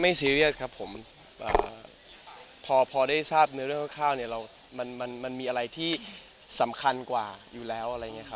ไม่ซีเรียสครับผมพอได้ทราบเมื่อเรื่องข้าวพอมันมีอะไรที่สำคัญกว่าอยู่แล้ว